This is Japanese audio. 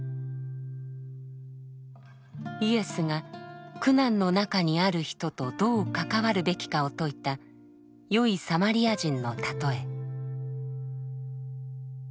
イエスが苦難の中にある人とどう関わるべきかを説いた「善いサマリア人」のたとえ。